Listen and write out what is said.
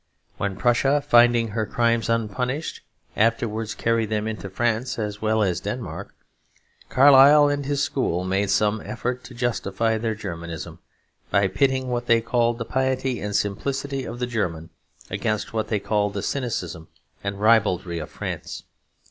When Prussia, finding her crimes unpunished, afterwards carried them into France as well as Denmark, Carlyle and his school made some effort to justify their Germanism, by pitting what they called the piety and simplicity of Germany against what they called the cynicism and ribaldry of France.